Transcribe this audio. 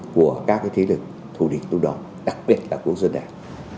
của các thí lực thủ địch lúc đó đặc biệt là quốc dân đảng